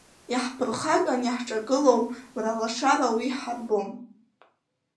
Иаҳԥырхаган иаҳҿагылоу, мра лашара уи иҳарбом.